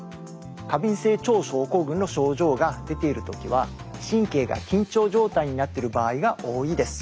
過敏性腸症候群の症状が出ている時は神経が緊張状態になっている場合が多いです。